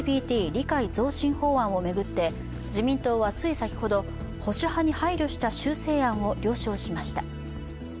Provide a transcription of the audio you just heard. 理解増進法案を巡って、自民党はつい先ほど保守派に配慮した修正案を了承しました。